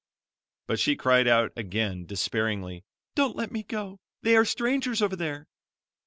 But she cried out again despairingly: "Don't let me go; they are strangers over there."